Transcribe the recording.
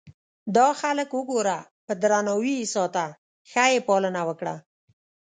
دا خلک وګوره په درناوي یې ساته ښه یې پالنه وکړه.